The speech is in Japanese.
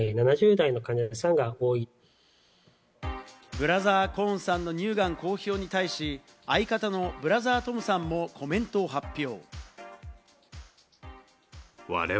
ブラザー・コーンさんの乳がん公表に対し、相方のブラザートムさんも、コメントを発表。